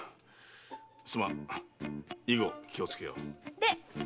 すまん以後気をつけよう。